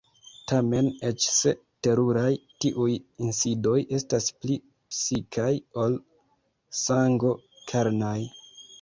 Tamen eĉ se teruraj, tiuj insidoj estas pli psikaj ol sango-karnaj.